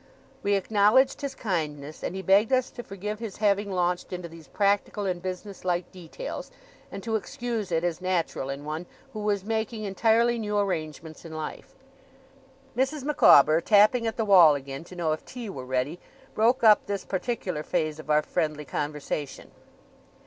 We acknowledged his kindness; and he begged us to forgive his having launched into these practical and business like details, and to excuse it as natural in one who was making entirely new arrangements in life. Mrs. Micawber, tapping at the wall again to know if tea were ready, broke up this particular phase of our friendly conversation.